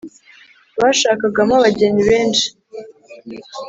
bashakagamo abageni benshi